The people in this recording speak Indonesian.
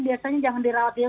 biasanya jangan dirawat di rumah